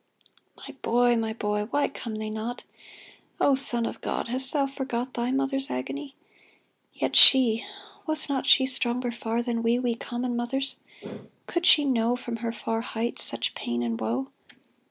My boy ! my boy !— Why come they not ? O Son of God ! hast Thou forgot Thy Mother's agony ? Yet she. Was she not stronger far than we, We common mothers ? Could she know From her far heights such pain and woe